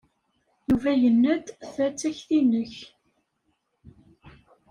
Yuba yenna-d ta d takti-inek.